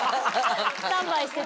スタンバイしてた。